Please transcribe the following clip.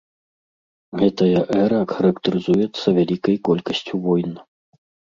Гэтая эра характарызуецца вялікай колькасцю войн.